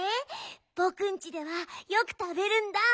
ぼくんちではよくたべるんだ。